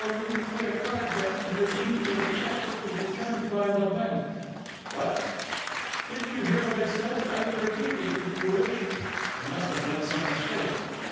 O.U. to pay a card debt, and redeemed it with a cheque which was returned by the bank!" "What!" "Didn't you hear what I said? I will repeat it, if you wish." "There must have been some mistake."